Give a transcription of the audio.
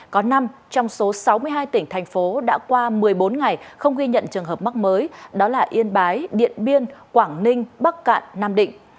có năm trong số sáu mươi hai tỉnh thành phố đã qua một mươi bốn ngày không ghi nhận trường hợp mắc mới đó là yên bái điện biên quảng ninh bắc cạn nam định